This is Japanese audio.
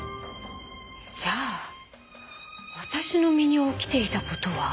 じゃあ私の身に起きていた事は？